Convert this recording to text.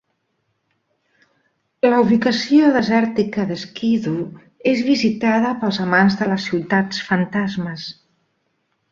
La ubicació desèrtica de Skidoo és visitada pels amants de les ciutats fantasmes.